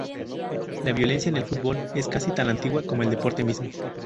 La violencia en el fútbol es casi tan antigua como el deporte mismo.